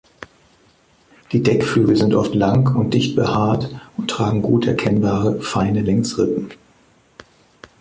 Die Deckflügel sind oft lang und dicht behaart und tragen gut erkennbare, feine Längsrippen.